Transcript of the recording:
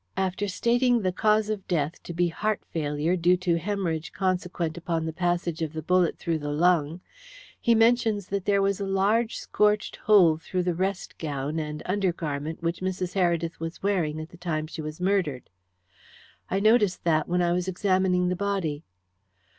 After stating the cause of death to be heart failure due to hæmorrhage consequent upon the passage of the bullet through the lung, he mentions that there was a large scorched hole through the rest gown and undergarment which Mrs. Heredith was wearing at the time she was murdered." "I noticed that when I was examining the body."